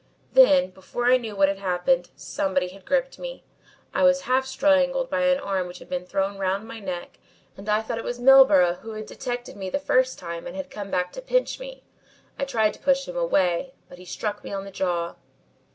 "Then, before I knew what had happened, somebody had gripped me. I was half strangled by an arm which had been thrown round my neck and I thought it was Milburgh who had detected me the first time and had come back to pinch me. I tried to push him away, but he struck me on the jaw.